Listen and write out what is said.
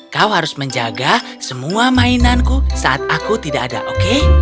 kau harus menjaga semua mainanku saat aku tidak ada oke